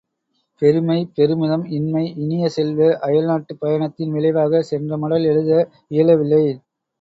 பெருமை பெருமிதம் இன்மை இனிய செல்வ, அயல்நாட்டுப் பயணத்தின் விளைவாக, சென்ற மடல் எழுத இயலவில்லை.